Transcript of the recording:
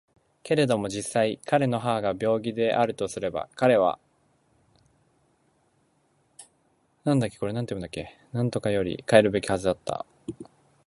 けれども実際彼の母が病気であるとすれば彼は固より帰るべきはずであった。